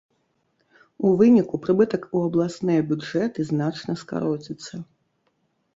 У выніку прыбытак у абласныя бюджэты значна скароціцца.